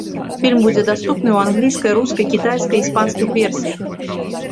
Фільм будзе даступны ў англійскай, рускай, кітайскай і іспанскай версіях.